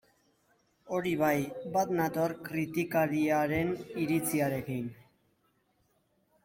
Hori bai, bat nator kritikariaren iritziarekin.